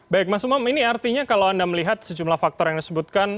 baik mas umam ini artinya kalau anda melihat sejumlah faktor yang disebutkan